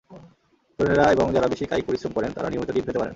তরুণেরা এবং যাঁরা বেশি কায়িক পরিশ্রম করেন, তাঁরা নিয়মিত ডিম খেতে পারেন।